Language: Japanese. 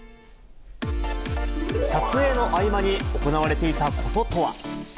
撮影の合間に行われていたこ